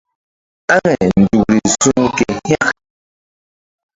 Aŋay nzukri su̧ ke hȩk.